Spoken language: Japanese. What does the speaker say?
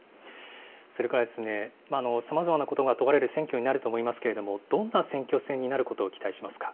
それから、さまざまなことが問われる選挙戦となると思いますけれども、どんな選挙戦になることを期待しますか。